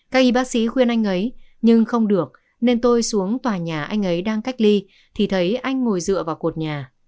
các y bác sĩ khuyên anh ấy nhưng không được nên tôi xuống tòa nhà anh ấy đang cách ly thì thấy anh ngồi dựa vào cột nhà